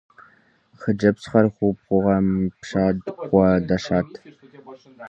Хъыджэбзхэр губгъуэм пщӀакӀуэ дашат.